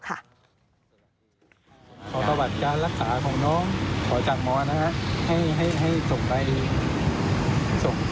ขอประวัติการรักษาของน้องขอจากหมอนะฮะให้ส่งไปส่ง